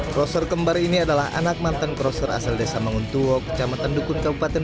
kroser kembar ini adalah anak mantan kroser asal desa manguntuo kecamatan dukun kabupaten